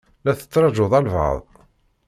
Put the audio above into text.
La tettṛajuḍ albaɛḍ?